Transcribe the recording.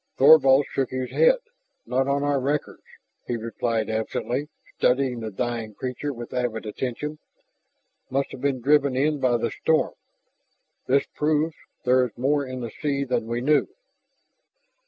Thorvald shook his head. "Not on our records," he replied absently, studying the dying creature with avid attention. "Must have been driven in by the storm. This proves there is more in the sea then we knew!"